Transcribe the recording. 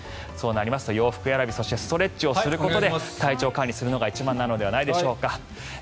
そうなりますと洋服選びストレッチをすることで体調管理するのが一番ではないでしょうか。